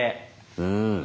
うん。